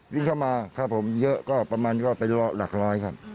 วิ่งเข้ามาครับผมเยอะก็ประมาณก็เป็นหลักร้อยครับ